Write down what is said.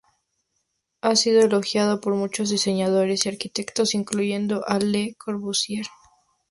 Ha sido elogiada por muchos diseñadores y arquitectos, incluyendo a Le Corbusier.